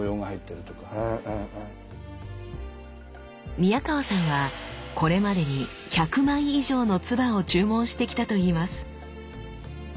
宮川さんはこれまでに１００枚以上の鐔を注文してきたといいます。